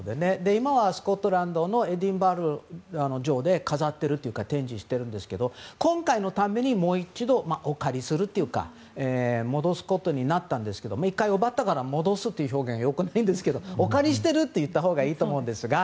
今はスコットランドのエディンバラ城で飾っているというか展示してるんですけど今回のためにもう一度お借りするというか戻すことになったんですが１回、奪ったから戻すという表現はよくないんですけどお借りしてるといったほうがいいと思うんですが。